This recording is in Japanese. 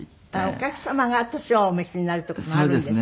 お客様が年をお召しになるっていう事もあるんですよね。